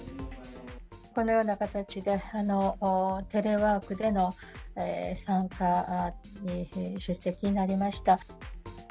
このような形で、テレワークでの参加に、出席になりました。